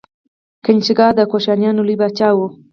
کنیشکا د کوشانیانو لوی پاچا و.